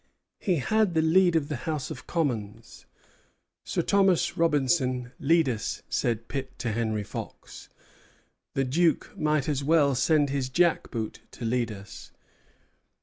He had the lead of the House of Commons. "Sir Thomas Robinson lead us!" said Pitt to Henry Fox; "the Duke might as well send his jackboot to lead us."